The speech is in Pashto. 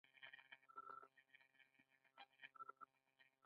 د احمد کور جوړول ما ته څيرې پوست مالومېږي.